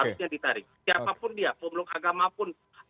harusnya ditarik siapapun dia pemeluk agama pun